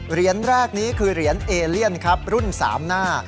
เหรียญแรกนี้คือเหรียญเอเลียนครับรุ่น๓หน้า